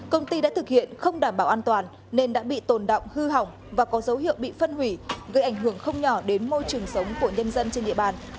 công ty đã thực hiện không đảm bảo an toàn nên đã bị tồn động hư hỏng và có dấu hiệu bị phân hủy gây ảnh hưởng không nhỏ đến môi trường sống của nhân dân trên địa bàn